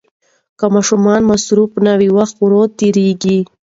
که ماشومان مصروف نه وي، وخت ورو تېریږي.